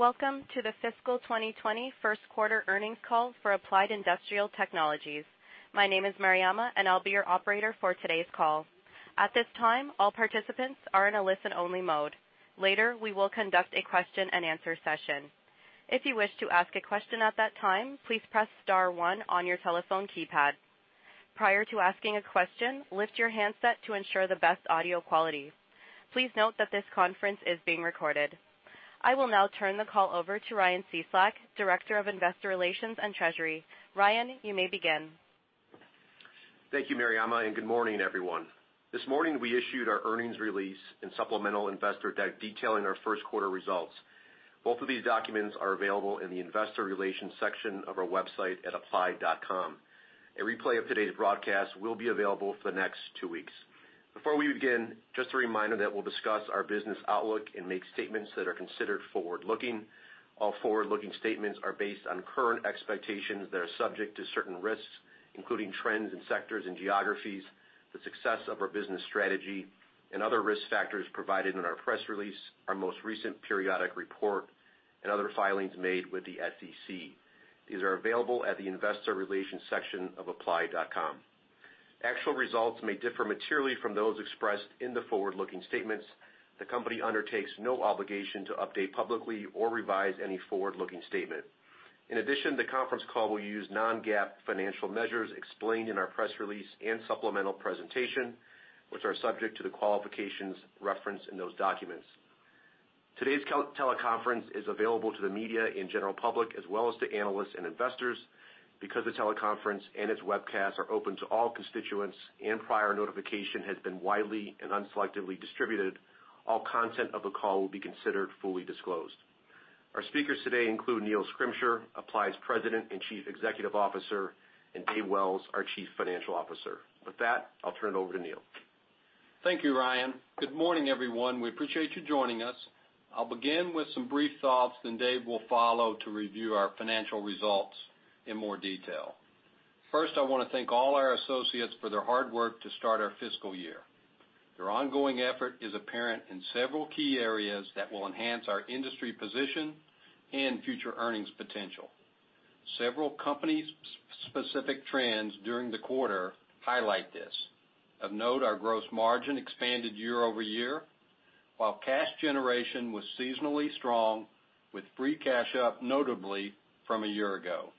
Welcome to the fiscal 2020 first quarter earnings call for Applied Industrial Technologies. My name is Mariama, and I'll be your operator for today's call. At this time, all participants are in a listen-only mode. Later, we will conduct a question-and-answer session. If you wish to ask a question at that time, please press star one on your telephone keypad. Prior to asking a question, lift your handset to ensure the best audio quality. Please note that this conference is being recorded. I will now turn the call over to Ryan Cieslak, Director of Investor Relations and Treasury. Ryan, you may begin. Thank you, Mariama, and good morning, everyone. This morning, we issued our earnings release and supplemental investor deck detailing our first quarter results. Both of these documents are available in the investor relations section of our website at applied.com. A replay of today's broadcast will be available for the next two weeks. Before we begin, just a reminder that we'll discuss our business outlook and make statements that are considered forward-looking. All forward-looking statements are based on current expectations that are subject to certain risks, including trends in sectors and geographies, the success of our business strategy, and other risk factors provided in our press release, our most recent periodic report, and other filings made with the SEC. These are available at the investor relations section of applied.com. Actual results may differ materially from those expressed in the forward-looking statements. The company undertakes no obligation to update publicly or revise any forward-looking statement. In addition, the conference call will use non-GAAP financial measures explained in our press release and supplemental presentation, which are subject to the qualifications referenced in those documents. Today's teleconference is available to the media and general public, as well as to analysts and investors. Because the teleconference and its webcast are open to all constituents and prior notification has been widely and unselectively distributed, all content of the call will be considered fully disclosed. Our speakers today include Neil Schrimsher, Applied's President and Chief Executive Officer, and Dave Wells, our Chief Financial Officer. With that, I'll turn it over to Neil. Thank you, Ryan. Good morning, everyone. We appreciate you joining us. I'll begin with some brief thoughts, then Dave will follow to review our financial results in more detail. First, I want to thank all our associates for their hard work to start our fiscal year. Their ongoing effort is apparent in several key areas that will enhance our industry position and future earnings potential. Several company-specific trends during the quarter highlight this. Of note, our gross margin expanded year-over-year, while cash generation was seasonally strong with free cash up notably from a year ago.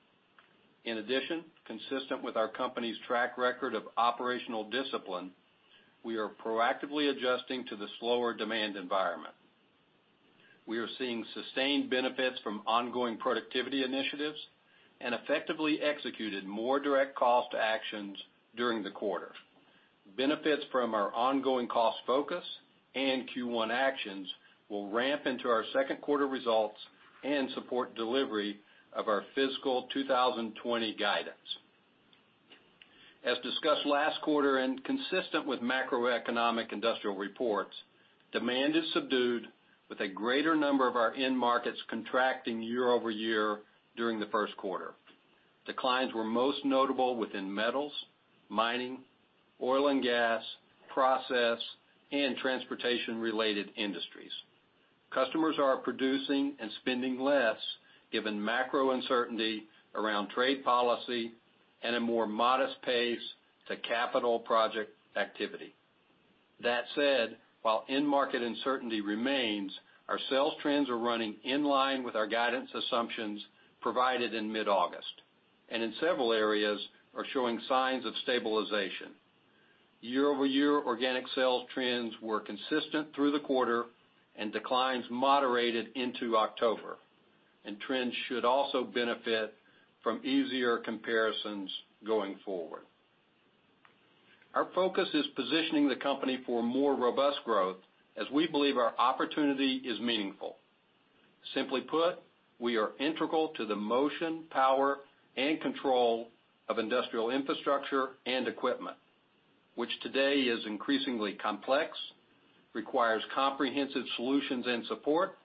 In addition, consistent with our company's track record of operational discipline, we are proactively adjusting to the slower demand environment. We are seeing sustained benefits from ongoing productivity initiatives and effectively executed more direct cost actions during the quarter. Benefits from our ongoing cost focus and Q1 actions will ramp into our second quarter results and support delivery of our fiscal 2020 guidance. As discussed last quarter and consistent with macroeconomic industrial reports, demand is subdued with a greater number of our end markets contracting year-over-year during the first quarter. Declines were most notable within metals, mining, oil and gas, process, and transportation-related industries. Customers are producing and spending less given macro uncertainty around trade policy and a more modest pace to capital project activity. That said, while end market uncertainty remains, our sales trends are running in line with our guidance assumptions provided in mid-August, and in several areas are showing signs of stabilization. Year-over-year, organic sales trends were consistent through the quarter, and declines moderated into October, and trends should also benefit from easier comparisons going forward. Our focus is positioning the company for more robust growth, as we believe our opportunity is meaningful. Simply put, we are integral to the motion, power, and control of industrial infrastructure and equipment, which today is increasingly complex, requires comprehensive solutions and support,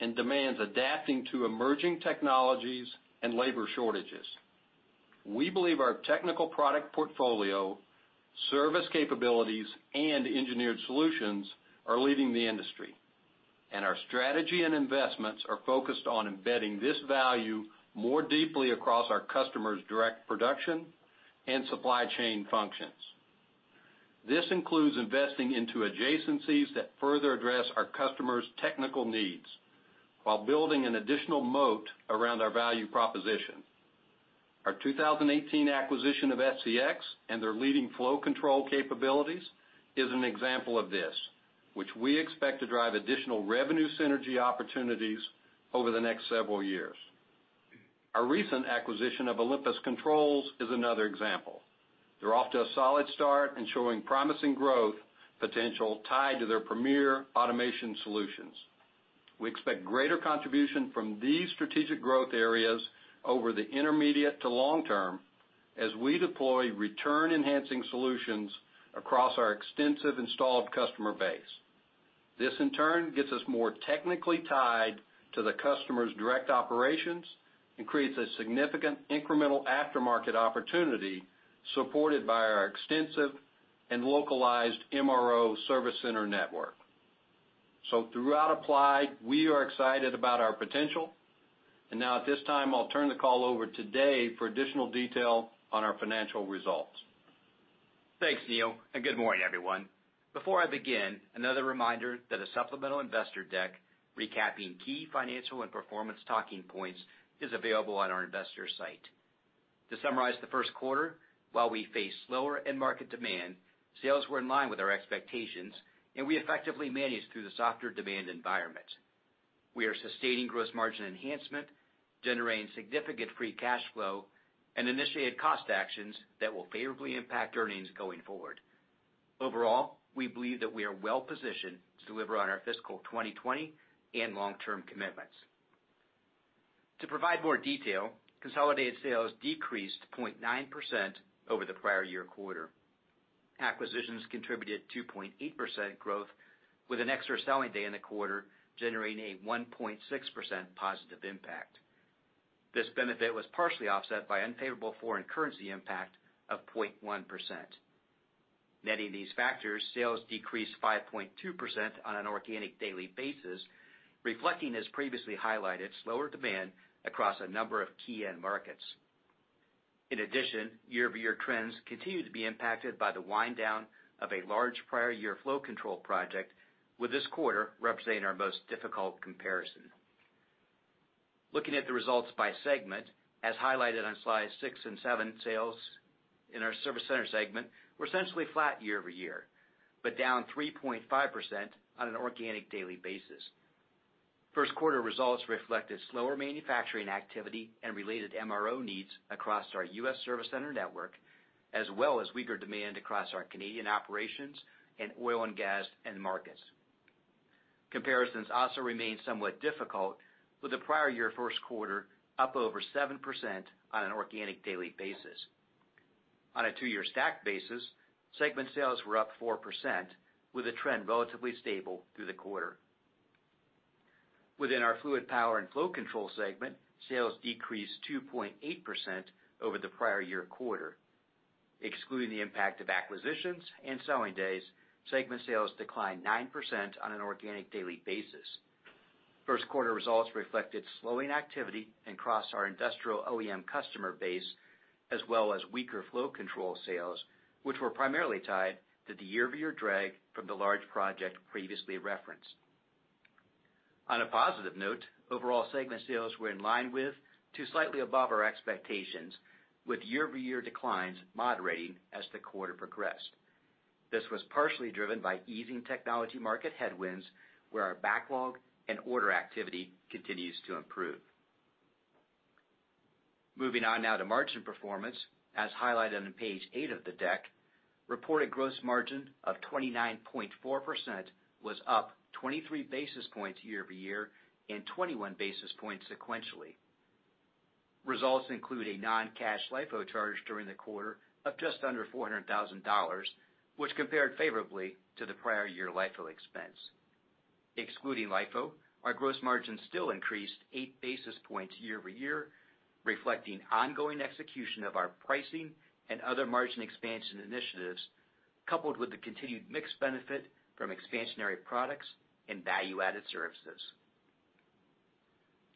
and demands adapting to emerging technologies and labor shortages. We believe our technical product portfolio, service capabilities, and engineered solutions are leading the industry, and our strategy and investments are focused on embedding this value more deeply across our customers' direct production and supply chain functions. This includes investing into adjacencies that further address our customers' technical needs while building an additional moat around our value proposition. Our 2018 acquisition of FCX and their leading flow control capabilities is an example of this, which we expect to drive additional revenue synergy opportunities over the next several years. Our recent acquisition of Olympus Controls is another example. They're off to a solid start and showing promising growth potential tied to their premier automation solutions. We expect greater contribution from these strategic growth areas over the intermediate to long term as we deploy return-enhancing solutions across our extensive installed customer base. This, in turn, gets us more technically tied to the customer's direct operations and creates a significant incremental aftermarket opportunity supported by our extensive and localized MRO service center network. Throughout Applied, we are excited about our potential, and now at this time, I'll turn the call over to Dave for additional detail on our financial results. Thanks, Neil, good morning, everyone. Before I begin, another reminder that a supplemental investor deck recapping key financial and performance talking points is available on our investor site. To summarize the first quarter, while we face slower end market demand, sales were in line with our expectations, I effectively managed through the softer demand environment. We are sustaining gross margin enhancement, generating significant free cash flow, initiated cost actions that will favorably impact earnings going forward. Overall, we believe that we are well-positioned to deliver on our fiscal 2020 and long-term commitments. To provide more detail, consolidated sales decreased 0.9% over the prior year quarter. Acquisitions contributed 2.8% growth with an extra selling day in the quarter, generating a 1.6% positive impact. This benefit was partially offset by unfavorable foreign currency impact of 0.1%. Netting these factors, sales decreased 5.2% on an organic daily basis, reflecting as previously highlighted, slower demand across a number of key end markets. In addition, year-over-year trends continue to be impacted by the wind-down of a large prior year flow control project, with this quarter representing our most difficult comparison. Looking at the results by segment, as highlighted on slides six and seven, sales in our Service Center segment were essentially flat year-over-year, but down 3.5% on an organic daily basis. First quarter results reflected slower manufacturing activity and related MRO needs across our U.S. service center network, as well as weaker demand across our Canadian operations in oil and gas end markets. Comparisons also remain somewhat difficult for the prior year first quarter up over 7% on an organic daily basis. On a 2-year stack basis, segment sales were up 4%, with the trend relatively stable through the quarter. Within our Fluid Power & Flow Control segment, sales decreased 2.8% over the prior year quarter. Excluding the impact of acquisitions and selling days, segment sales declined 9% on an organic daily basis. First quarter results reflected slowing activity across our industrial OEM customer base, as well as weaker flow control sales, which were primarily tied to the year-over-year drag from the large project previously referenced. On a positive note, overall segment sales were in line with to slightly above our expectations with year-over-year declines moderating as the quarter progressed. This was partially driven by easing technology market headwinds, where our backlog and order activity continues to improve. Moving on now to margin performance, as highlighted on page eight of the deck, reported gross margin of 29.4% was up 23 basis points year-over-year and 21 basis points sequentially. Results include a non-cash LIFO charge during the quarter of just under $400,000, which compared favorably to the prior year LIFO expense. Excluding LIFO, our gross margin still increased eight basis points year-over-year, reflecting ongoing execution of our pricing and other margin expansion initiatives, coupled with the continued mix benefit from expansionary products and value-added services.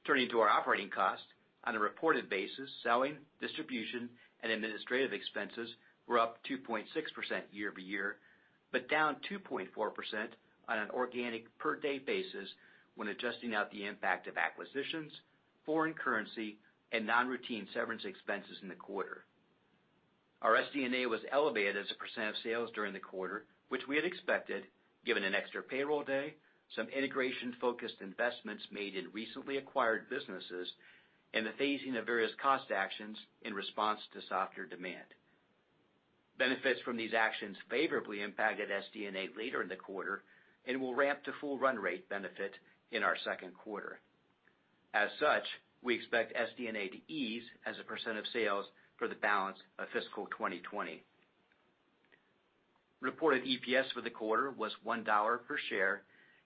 Turning to our operating cost. On a reported basis, selling, distribution, and administrative expenses were up 2.6% year-over-year, down 2.4% on an organic per-day basis when adjusting out the impact of acquisitions, foreign currency, and non-routine severance expenses in the quarter. Our SD&A was elevated as a percent of sales during the quarter, which we had expected given an extra payroll day, some integration-focused investments made in recently acquired businesses, and the phasing of various cost actions in response to softer demand. Benefits from these actions favorably impacted SD&A later in the quarter and will ramp to full run rate benefit in our second quarter. As such, we expect SD&A to ease as a percent of sales for the balance of fiscal 2020. Reported EPS for the quarter was $1 per share,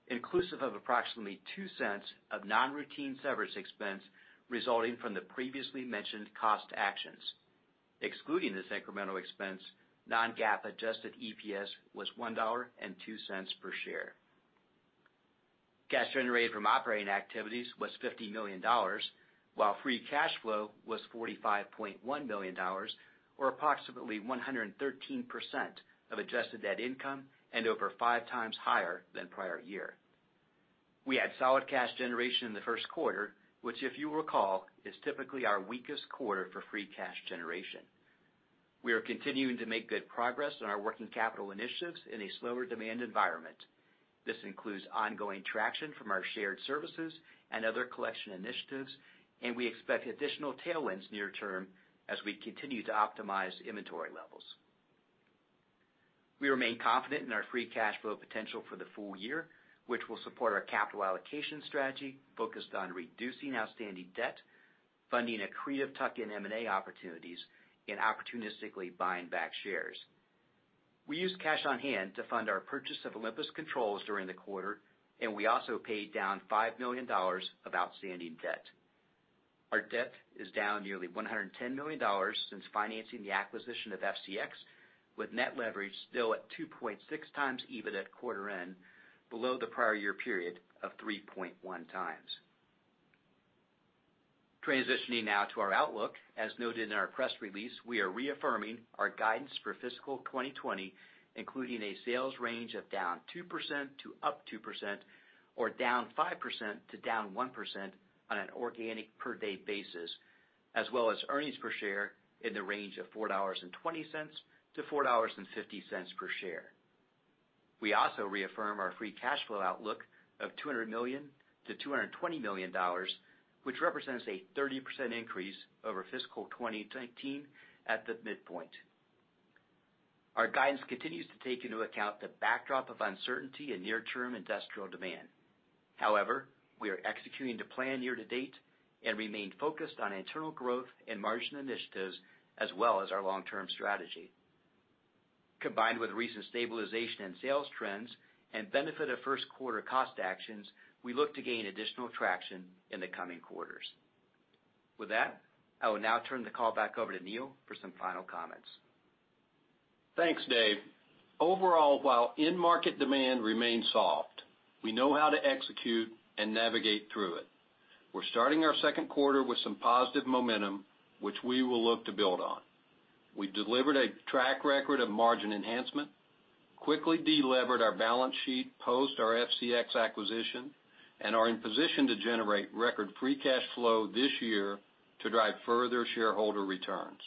inclusive of approximately $0.02 of non-routine severance expense resulting from the previously mentioned cost actions. Excluding this incremental expense, non-GAAP adjusted EPS was $1.02 per share. Cash generated from operating activities was $50 million, while free cash flow was $45.1 million, or approximately 113% of adjusted net income and over five times higher than prior year. We had solid cash generation in the first quarter, which if you recall, is typically our weakest quarter for free cash generation. We are continuing to make good progress on our working capital initiatives in a slower demand environment. This includes ongoing traction from our shared services and other collection initiatives, and we expect additional tailwinds near term as we continue to optimize inventory levels. We remain confident in our free cash flow potential for the full year, which will support our capital allocation strategy focused on reducing outstanding debt, funding accretive tuck-in M&A opportunities, and opportunistically buying back shares. We used cash on hand to fund our purchase of Olympus Controls during the quarter, and we also paid down $5 million of outstanding debt. Our debt is down nearly $110 million since financing the acquisition of FCX, with net leverage still at 2.6 times EBIT at quarter end, below the prior year period of 3.1 times. Transitioning now to our outlook. As noted in our press release, we are reaffirming our guidance for fiscal 2020, including a sales range of down 2% to up 2%, or down 5% to down 1% on an organic per day basis, as well as earnings per share in the range of $4.20-$4.50 per share. We also reaffirm our free cash flow outlook of $200 million-$220 million, which represents a 30% increase over fiscal 2019 at the midpoint. Our guidance continues to take into account the backdrop of uncertainty in near-term industrial demand. We are executing to plan year to date and remain focused on internal growth and margin initiatives, as well as our long-term strategy. Combined with recent stabilization in sales trends and benefit of first quarter cost actions, we look to gain additional traction in the coming quarters. With that, I will now turn the call back over to Neil for some final comments. Thanks, Dave. Overall, while end market demand remains soft, we know how to execute and navigate through it. We're starting our second quarter with some positive momentum, which we will look to build on. We've delivered a track record of margin enhancement, quickly delevered our balance sheet post our FCX acquisition, and are in position to generate record free cash flow this year to drive further shareholder returns.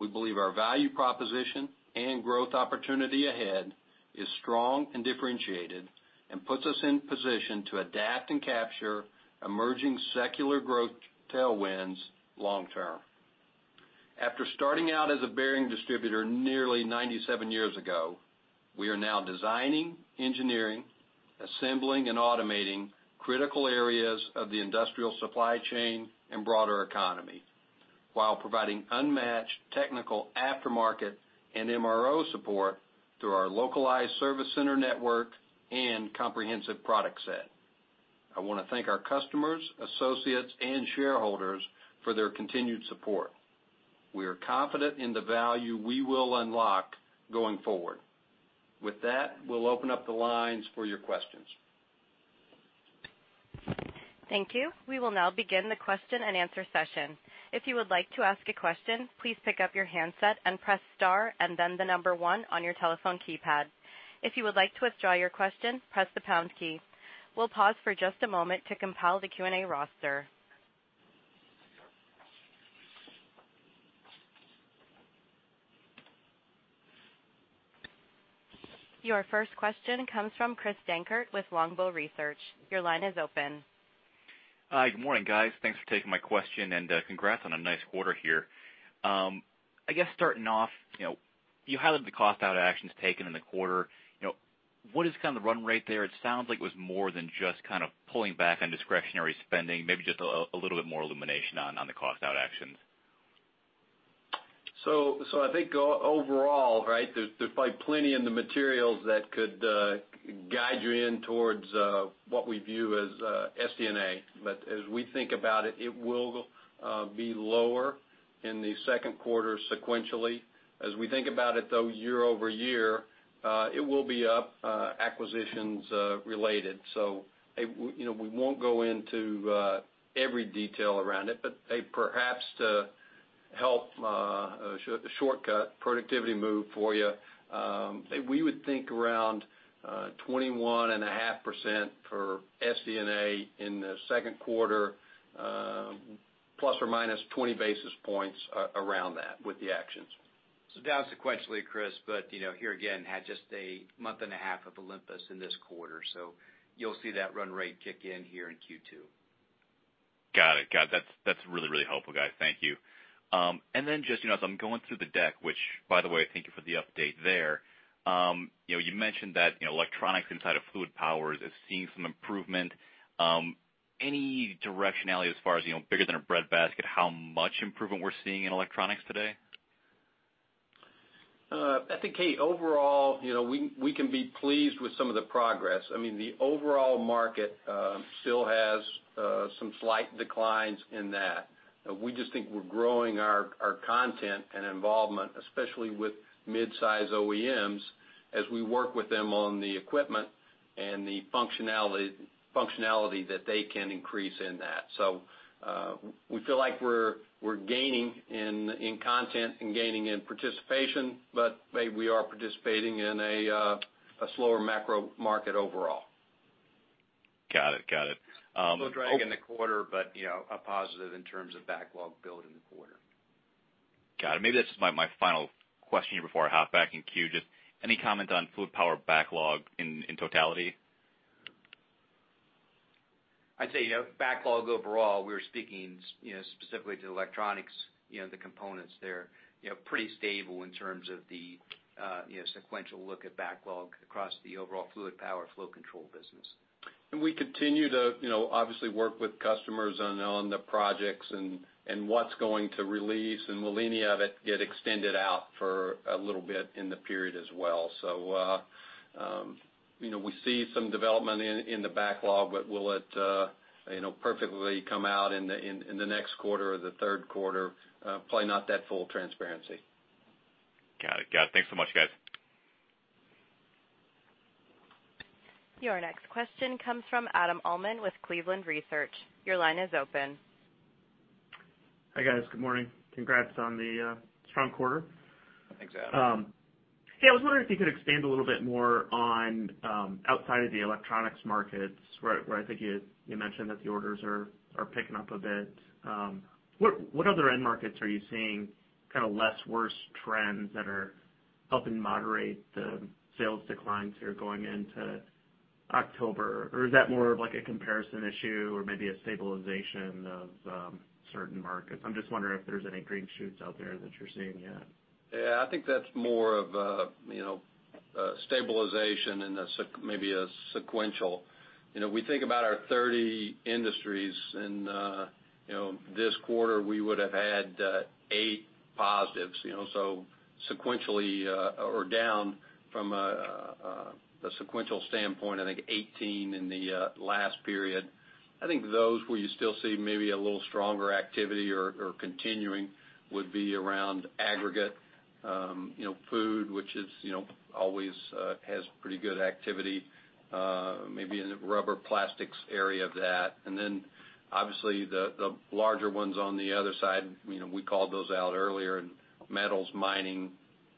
We believe our value proposition and growth opportunity ahead is strong and differentiated and puts us in position to adapt and capture emerging secular growth tailwinds long term. After starting out as a bearing distributor nearly 97 years ago, we are now designing, engineering, assembling, and automating critical areas of the industrial supply chain and broader economy while providing unmatched technical aftermarket and MRO support through our localized service center network and comprehensive product set. I want to thank our customers, associates, and shareholders for their continued support. We are confident in the value we will unlock going forward. With that, we will open up the lines for your questions. Thank you. We will now begin the question and answer session. If you would like to ask a question, please pick up your handset and press star and then the number one on your telephone keypad. If you would like to withdraw your question, press the pound key. We'll pause for just a moment to compile the Q&A roster. Your first question comes from Chris Dankert with Longbow Research. Your line is open. Hi. Good morning, guys. Thanks for taking my question and congrats on a nice quarter here. I guess starting off, you highlighted the cost-out actions taken in the quarter. What is kind of the run rate there? It sounds like it was more than just kind of pulling back on discretionary spending. Maybe just a little bit more illumination on the cost-out actions. I think overall, right, there's probably plenty in the materials that could guide you in towards what we view as SG&A. As we think about it will be lower in the second quarter sequentially. As we think about it, though, year-over-year, it will be up acquisitions related. We won't go into every detail around it, but perhaps to help shortcut productivity move for you, we would think around 21.5% for SG&A in the second quarter, ±20 basis points around that with the actions. Down sequentially, Chris, but here again, had just a month and a half of Olympus in this quarter. You'll see that run rate kick in here in Q2. Got it. That's really helpful, guys. Thank you. Then just as I'm going through the deck, which by the way, thank you for the update there. You mentioned that electronics inside of Fluid Power is seeing some improvement. Any directionality as far as bigger than a breadbasket, how much improvement we're seeing in electronics today? I think overall we can be pleased with some of the progress. The overall market still has some slight declines in that. We just think we're growing our content and involvement, especially with mid-size OEMs as we work with them on the equipment and the functionality that they can increase in that. We feel like we're gaining in content and gaining in participation, but we are participating in a slower macro market overall. Got it. Slower drag in the quarter, but a positive in terms of backlog build in the quarter. Got it. Maybe this is my final question here before I hop back in queue. Just any comment on Fluid Power backlog in totality? I'd say backlog overall, we were speaking specifically to electronics, the components there. Pretty stable in terms of the sequential look at backlog across the overall Fluid Power & Flow Control business. We continue to obviously work with customers on the projects and what's going to release, and will any of it get extended out for a little bit in the period as well? We see some development in the backlog, but will it perfectly come out in the next quarter or the third quarter? Probably not that full transparency. Got it. Thanks so much, guys. Your next question comes from Adam Uhlman with Cleveland Research. Your line is open. Hi, guys. Good morning. Congrats on the strong quarter. Thanks, Adam. Hey, I was wondering if you could expand a little bit more on outside of the electronics markets, where I think you mentioned that the orders are picking up a bit. What other end markets are you seeing kind of less worse trends that are helping moderate the sales declines here going into October? Or is that more of like a comparison issue or maybe a stabilization of certain markets? I'm just wondering if there's any green shoots out there that you're seeing yet. Yeah. I think that's more of a stabilization and maybe a sequential. We think about our 30 industries, and this quarter we would've had eight positives. Sequentially or down from a sequential standpoint, I think 18 in the last period. I think those where you still see maybe a little stronger activity or continuing, would be around aggregate, food, which always has pretty good activity. Maybe in the rubber plastics area of that. Obviously the larger ones on the other side, we called those out earlier, in metals, mining,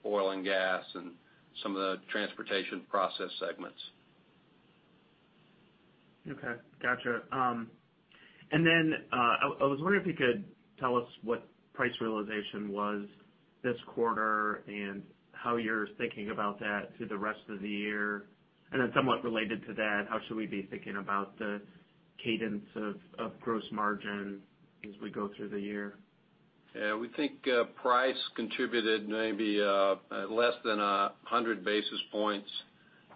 oil and gas, and some of the transportation process segments. Okay. Got you. I was wondering if you could tell us what price realization was this quarter and how you're thinking about that through the rest of the year. Somewhat related to that, how should we be thinking about the cadence of gross margin as we go through the year? Yeah. We think price contributed maybe less than 100 basis points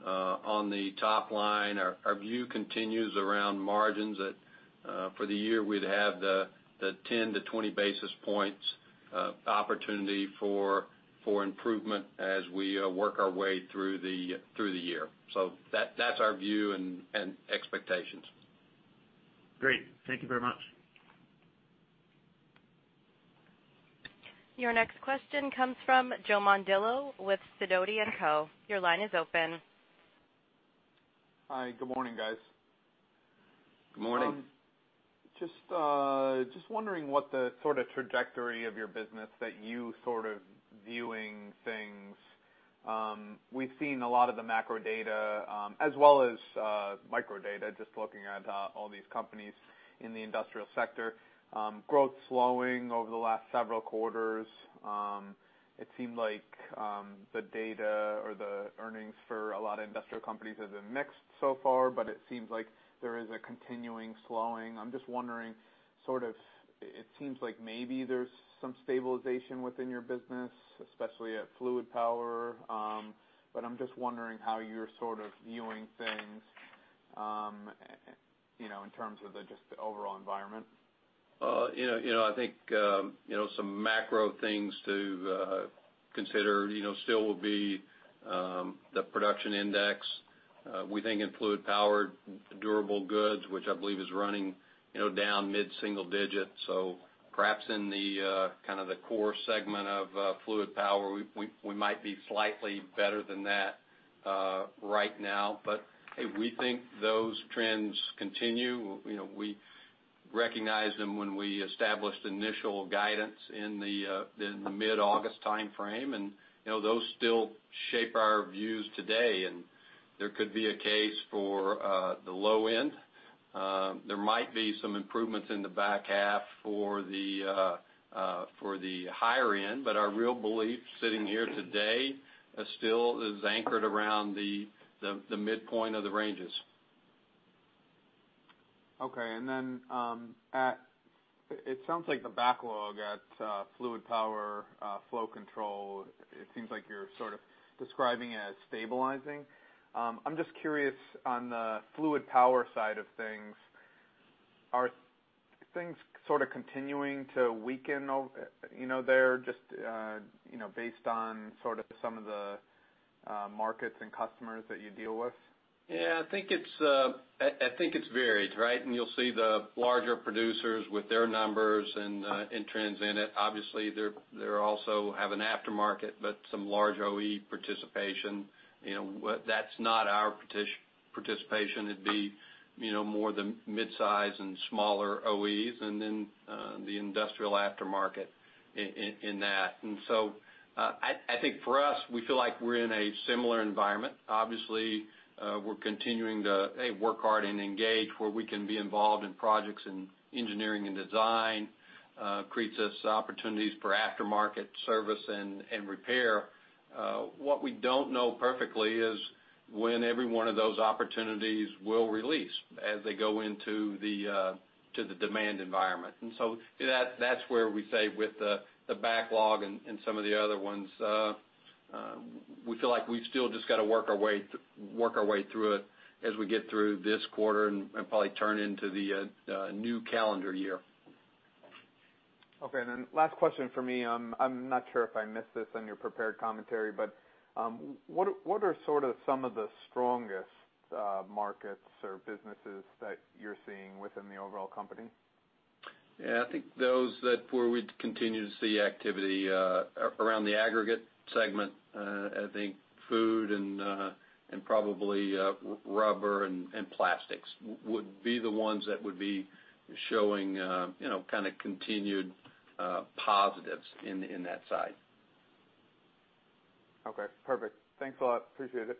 on the top line. Our view continues around margins that for the year we'd have the 10 to 20 basis points opportunity for improvement as we work our way through the year. That's our view and expectations. Great. Thank you very much. Your next question comes from Joe Mondillo with Sidoti & Co. Your line is open. Hi. Good morning, guys. Good morning. Just wondering what the sort of trajectory of your business that you sort of viewing things. We've seen a lot of the macro data, as well as micro data, just looking at all these companies in the industrial sector. Growth slowing over the last several quarters. It seemed like the data or the earnings for a lot of industrial companies has been mixed so far, but it seems like there is a continuing slowing. I'm just wondering, it seems like maybe there's some stabilization within your business, especially at Fluid Power. I'm just wondering how you're sort of viewing things in terms of just the overall environment. I think some macro things to consider still will be the production index. We think in Fluid Power, durable goods, which I believe is running down mid-single digits. Perhaps in kind of the core segment of Fluid Power, we might be slightly better than that right now. Hey, we think those trends continue. We recognized them when we established initial guidance in the mid-August timeframe, and those still shape our views today. There could be a case for the low end. There might be some improvements in the back half for the higher end, but our real belief sitting here today still is anchored around the midpoint of the ranges. Okay. It sounds like the backlog at Fluid Power & Flow Control, it seems like you're sort of describing it as stabilizing. I'm just curious on the Fluid Power side of things, are things sort of continuing to weaken over there, just based on sort of some of the markets and customers that you deal with? Yeah. I think it's varied, right? You'll see the larger producers with their numbers and trends in it. Obviously, they also have an aftermarket, but some large OE participation. That's not our participation. It'd be more the mid-size and smaller OEs, and then the industrial aftermarket in that. I think for us, we feel like we're in a similar environment. Obviously, we're continuing to work hard and engage where we can be involved in projects in engineering and design. Creates us opportunities for aftermarket service and repair. What we don't know perfectly is when every one of those opportunities will release as they go into the demand environment. That's where we say with the backlog and some of the other ones. We feel like we've still just got to work our way through it as we get through this quarter and probably turn into the new calendar year. Okay. Last question from me. I'm not sure if I missed this in your prepared commentary, but what are some of the strongest markets or businesses that you're seeing within the overall company? Yeah, I think those that where we continue to see activity around the aggregate segment, I think food and probably rubber and plastics would be the ones that would be showing kind of continued positives in that side. Okay, perfect. Thanks a lot. Appreciate it.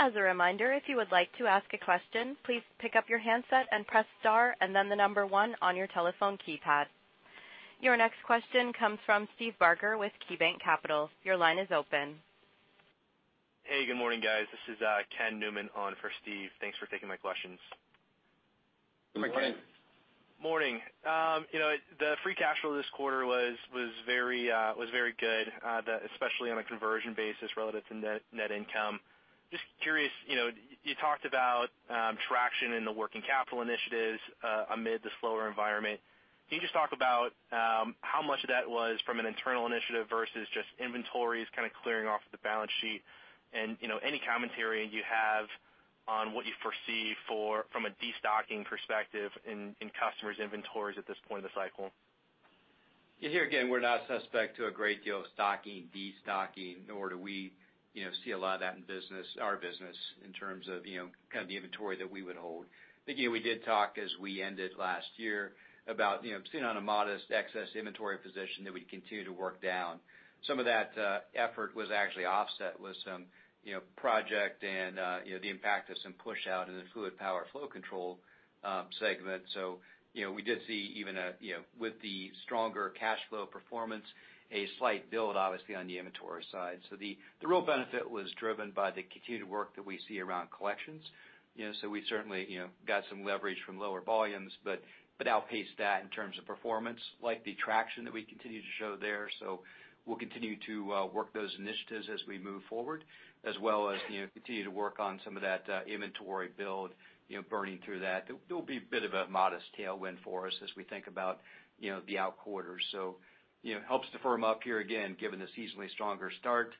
As a reminder, if you would like to ask a question, please pick up your handset and press star and then the number 1 on your telephone keypad. Your next question comes from Steve Barger with KeyBanc Capital. Your line is open. Hey, good morning, guys. This is Ken Newman on for Steve. Thanks for taking my questions. Good morning. Morning. The free cash flow this quarter was very good, especially on a conversion basis relative to net income. Just curious, you talked about traction in the working capital initiatives amid the slower environment. Can you just talk about how much of that was from an internal initiative versus just inventories kind of clearing off the balance sheet? Any commentary you have on what you foresee from a destocking perspective in customers' inventories at this point in the cycle. Yeah, here again, we're not suspect to a great deal of stocking, destocking, nor do we see a lot of that in our business in terms of kind of the inventory that we would hold. Yeah, we did talk as we ended last year about sitting on a modest excess inventory position that we'd continue to work down. Some of that effort was actually offset with some project and the impact of some push out in the Fluid Power & Flow Control segment. We did see even with the stronger cash flow performance, a slight build obviously on the inventory side. The real benefit was driven by the continued work that we see around collections. We certainly got some leverage from lower volumes, but outpaced that in terms of performance, like the traction that we continue to show there. We'll continue to work those initiatives as we move forward, as well as continue to work on some of that inventory build, burning through that. There'll be a bit of a modest tailwind for us as we think about the out quarters. Helps to firm up here again, given the seasonally stronger start,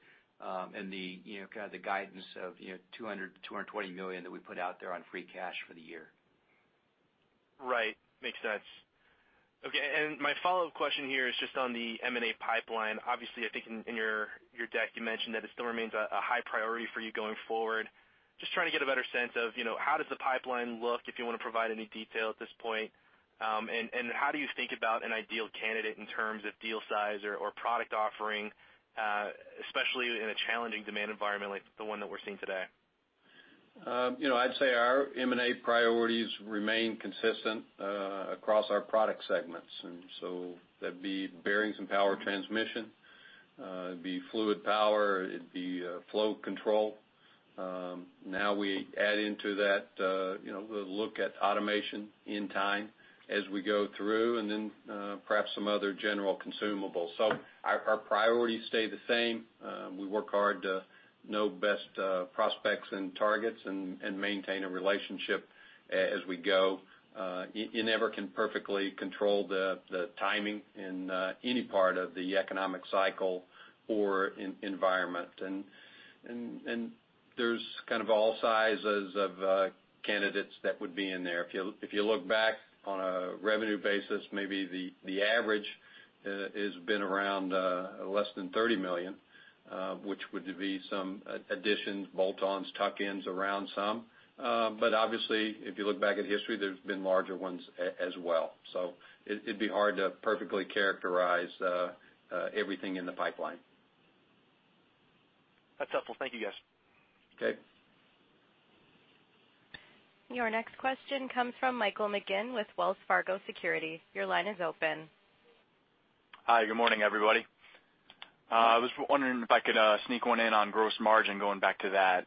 and the kind of the guidance of $200 million-$220 million that we put out there on free cash for the year. Right. Makes sense. Okay, my follow-up question here is just on the M&A pipeline. Obviously, I think in your deck, you mentioned that it still remains a high priority for you going forward. Just trying to get a better sense of how does the pipeline look, if you want to provide any detail at this point. How do you think about an ideal candidate in terms of deal size or product offering, especially in a challenging demand environment like the one that we're seeing today? I'd say our M&A priorities remain consistent across our product segments. That'd be bearings and power transmission. It'd be Fluid Power. It'd be Flow Control. Now we add into that, we'll look at automation in time as we go through, and then perhaps some other general consumables. Our priorities stay the same. We work hard to know best prospects and targets and maintain a relationship as we go. You never can perfectly control the timing in any part of the economic cycle or environment. There's kind of all sizes of candidates that would be in there. If you look back on a revenue basis, maybe the average has been around less than $30 million, which would be some additions, bolt-ons, tuck-ins around some. Obviously, if you look back at history, there's been larger ones as well. It'd be hard to perfectly characterize everything in the pipeline. That's helpful. Thank you, guys. Okay. Your next question comes from Michael McGinn with Wells Fargo Securities. Your line is open. Hi, good morning, everybody. I was wondering if I could sneak one in on gross margin going back to that.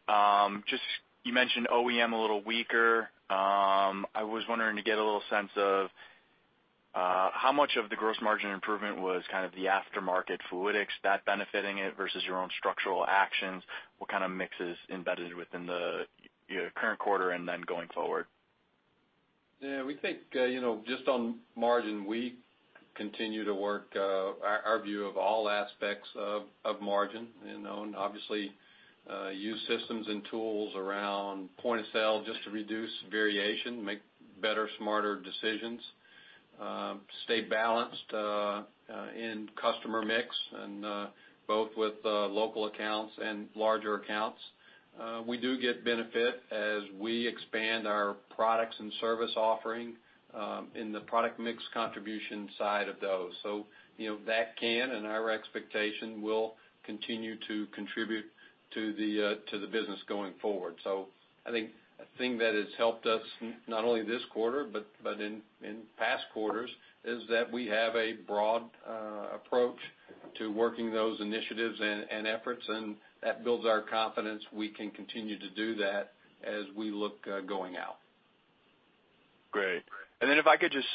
You mentioned OEM a little weaker. I was wondering to get a little sense of how much of the gross margin improvement was kind of the aftermarket fluidics that benefiting it versus your own structural actions. What kind of mix is embedded within the current quarter and then going forward? Yeah, we think, just on margin, we continue to work our view of all aspects of margin and obviously use systems and tools around point of sale just to reduce variation, make better, smarter decisions, stay balanced in customer mix, and both with local accounts and larger accounts. We do get benefit as we expand our products and service offering in the product mix contribution side of those. Our expectation will continue to contribute to the business going forward. I think the thing that has helped us not only this quarter but in past quarters is that we have a broad approach to working those initiatives and efforts, and that builds our confidence we can continue to do that as we look going out. Great. If I could just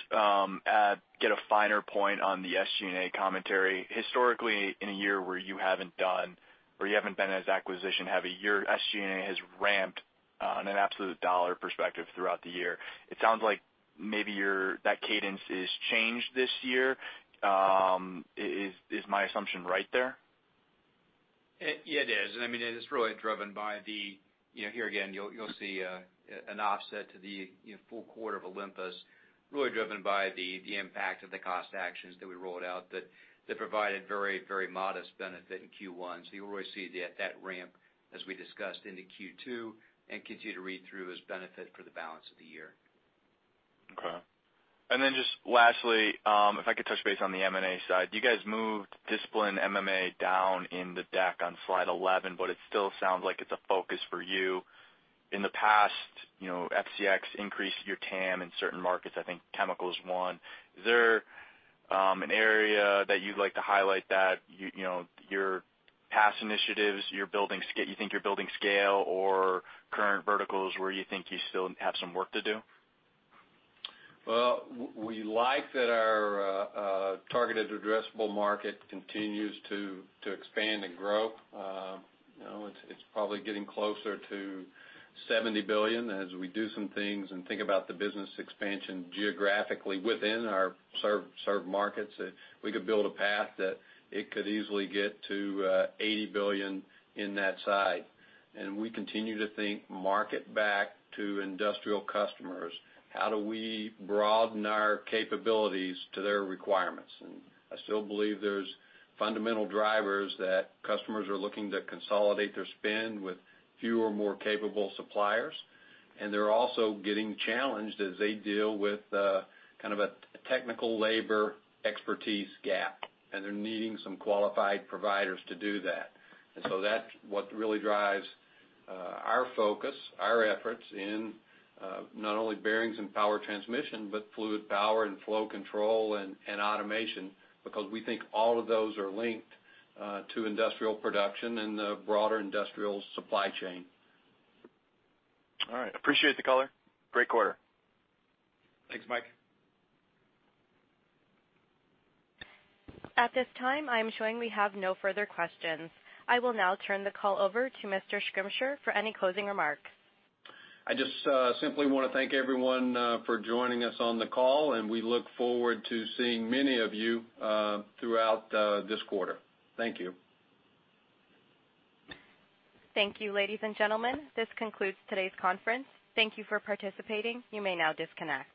get a finer point on the SG&A commentary. Historically, in a year where you haven't done or you haven't been as acquisition-heavy, your SG&A has ramped on an absolute dollar perspective throughout the year. It sounds like maybe that cadence has changed this year. Is my assumption right there? Yeah, it is. Here again, you'll see an offset to the full quarter of Olympus, really driven by the impact of the cost actions that we rolled out that provided very modest benefit in Q1. You'll really see that ramp, as we discussed, into Q2, and continue to read through as benefit for the balance of the year. Just lastly, if I could touch base on the M&A side. You guys moved discipline M&A down in the deck on slide 11, but it still sounds like it's a focus for you. In the past, FCX increased your TAM in certain markets, I think chemical is one. Is there an area that you'd like to highlight that your past initiatives, you think you're building scale or current verticals where you think you still have some work to do? Well, we like that our targeted addressable market continues to expand and grow. It's probably getting closer to $70 billion as we do some things and think about the business expansion geographically within our served markets. We could build a path that it could easily get to $80 billion in that side. We continue to think market back to industrial customers. How do we broaden our capabilities to their requirements? I still believe there's fundamental drivers that customers are looking to consolidate their spend with fewer, more capable suppliers, and they're also getting challenged as they deal with kind of a technical labor expertise gap, and they're needing some qualified providers to do that. That's what really drives our focus, our efforts in not only bearings and power transmission, but Fluid Power & Flow Control and automation, because we think all of those are linked to industrial production and the broader industrial supply chain. All right. Appreciate the color. Great quarter. Thanks, Mike. At this time, I am showing we have no further questions. I will now turn the call over to Mr. Schrimsher for any closing remarks. I just simply want to thank everyone for joining us on the call, and we look forward to seeing many of you throughout this quarter. Thank you. Thank you, ladies and gentlemen. This concludes today's conference. Thank you for participating. You may now disconnect.